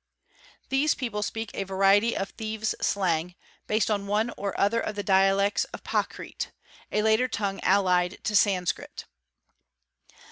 "These people speak a variety of thieves' slang, based on one or other of the dialects of Prakrit—a later tongue allied to Sanskrit.